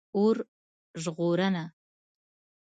🚒 اور ژغورنه